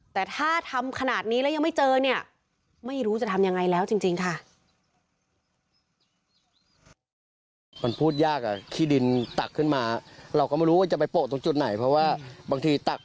แต่ถ้าทำขนาดนี้แล้วยังไม่เจอเนี่ย